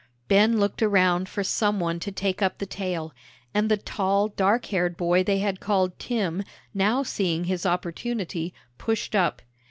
Ben looked around for some one to take up the tale. And the tall, dark haired boy they had called "Tim," now seeing his opportunity, pushed up.